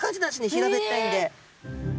平べったいんで。